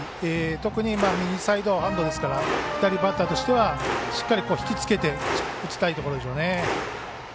特に右サイドハンドですから左バッターとしてはしっかり引き付けて打ちたいところでしょうね。